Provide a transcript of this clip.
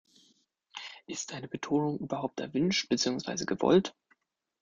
Ist eine Betonung überhaupt erwünscht, beziehungsweise gewollt?